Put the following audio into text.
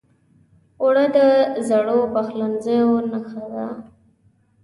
اوړه د زړو پخلنځیو نښه ده